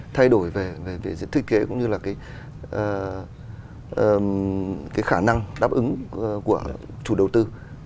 thay đổi về diện thiết kế cũng như là cái khả năng đáp ứng của chủ đầu tư